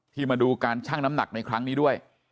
มาดูการชั่งน้ำหนักในครั้งนี้ด้วย